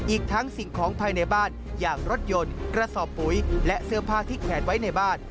อีกทั้งสิ่งของภายในบ้านอย่างรถยนต์กระสอบปุ๋ยและเสื้อผ้าที่แขนไว้ในบ้าน